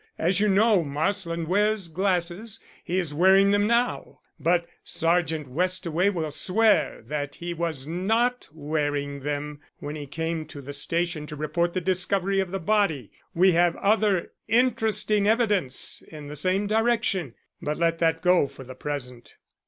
As you know, Marsland wears glasses he is wearing them now. But Sergeant Westaway will swear that he was not wearing them when he came to the station to report the discovery of the body. We have other interesting evidence in the same direction, but let that go for the present."